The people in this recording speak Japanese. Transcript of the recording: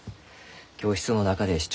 教室の中で知っ